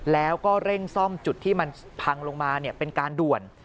แล้วก็เร่งซ่อมจุดที่มันพังลงมาเป็นการด่วน